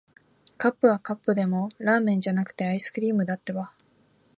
カップはカップでも、ラーメンじゃなくて、アイスクリームだってば。